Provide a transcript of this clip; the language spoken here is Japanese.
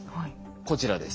こちらです。